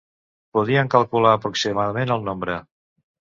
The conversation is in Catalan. Podíem calcular aproximadament el nombre